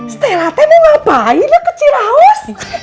stella teh mah ngapain ke ciraos